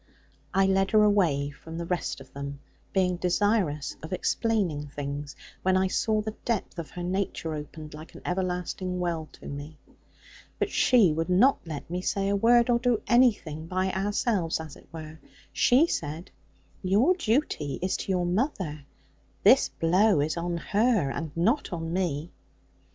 I led her away from the rest of them, being desirous of explaining things, when I saw the depth of her nature opened, like an everlasting well, to me. But she would not let me say a word, or do anything by ourselves, as it were: she said, 'Your duty is to your mother: this blow is on her, and not on me.'